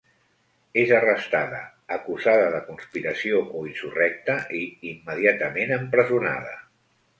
És arrestada, acusada de conspiració o insurrecta, i immediatament empresonada.